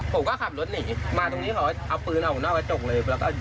ผมก็ขับรถหนีมาตรงนี้เขาเอาปืนออกหน้ากระจกเลย